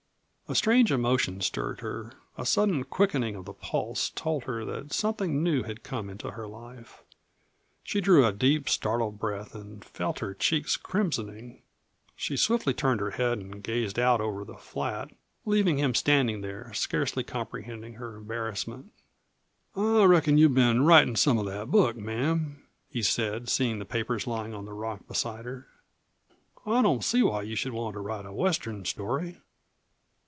A strange emotion stirred her, a sudden quickening of the pulse told her that something new had come into her life. She drew a deep, startled breath and felt her cheeks crimsoning. She swiftly turned her head and gazed out over the flat, leaving him standing there, scarcely comprehending her embarrassment. "I reckon you've been writin' some of that book, ma'am," he said, seeing the papers lying on the rock beside her. "I don't see why you should want to write a Western story.